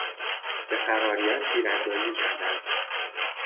به فراریان تیر اندازی کردند.